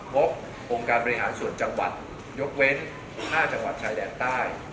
พบองค์การบริหารส่วนจังหวัดยกเว้น๕จังหวัดชายแดนใต้